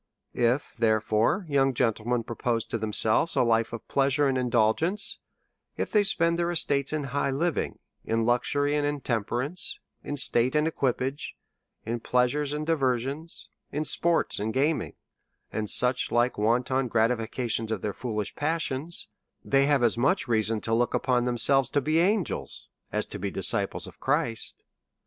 If, therefore, young gentlemen propose to them selves a life of pleasure and indulgence, if they spend their estates in high living, in luxury, and intemper ance, in state and equipage, in pleasures and diver sions, in sports and gaming, and such like wanton DEVOUT AND HOLY LIFE. Ill •ratifications of their foolish passions^ they have as much reason to look upon themselves to be angels as disciples of Christ.